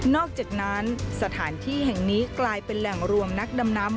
อกจากนั้นสถานที่แห่งนี้กลายเป็นแหล่งรวมนักดำน้ำ